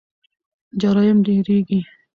جرایم ډیریږي.